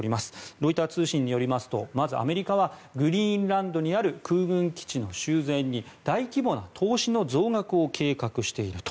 ロイター通信によりますとまずアメリカはグリーンランドにある空軍基地の修繕に大規模な投資の増額を計画していると。